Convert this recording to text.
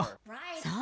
そう。